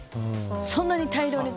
そんなに大量に。